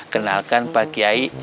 kenalkan pak kei